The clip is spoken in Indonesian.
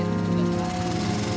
iya udah pak